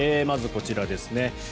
まずこちらですね。